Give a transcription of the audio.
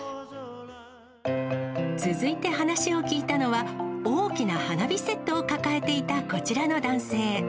続いて話を聞いたのは、大きな花火セットを抱えていたこちらの男性。